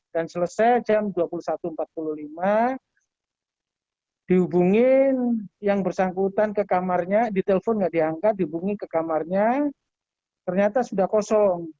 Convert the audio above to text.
dan selesai jam dua puluh satu empat puluh lima dihubungin yang bersangkutan ke kamarnya ditelepon nggak diangkat dihubungin ke kamarnya ternyata sudah kosong